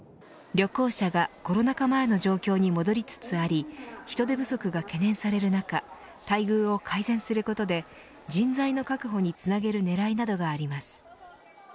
旅行者がコロナ禍前の状況に戻りつつあり人手不足が懸念される中待遇を改善することで人材の確保につなげる狙いなどがあります。